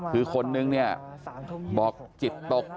คือคนนึงบอกจิตตก